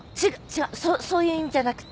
違うそそういう意味じゃなくて。